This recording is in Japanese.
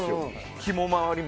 ひも回りも。